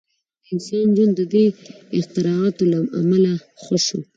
• د انسان ژوند د دې اختراعاتو له امله ښه شو.